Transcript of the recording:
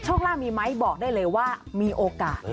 โชคล่าเมี่ยมั้ยบอกได้เลยค่ะว่ามีโอกาส